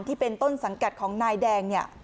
ที่เป็นต้นสังกัดของนายแดงเนี่ย